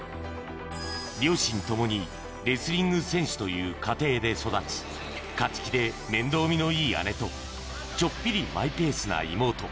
両親ともにレスリング選手という家庭で育ち、勝ち気で面倒見のいい姉と、ちょっぴりマイペースな妹。